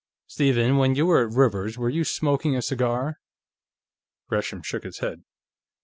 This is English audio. Stephen, when you were at Rivers's, were you smoking a cigar?" Gresham shook his head.